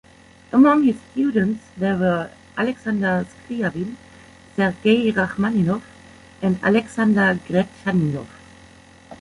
Among his students there were Alexander Scriabin, Sergei Rachmaninoff and Alexander Gretchaninov.